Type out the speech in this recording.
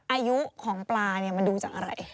อายุของปลาเนี่ยมันดูจากอะไร